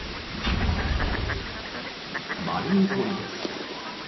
マリウポリです。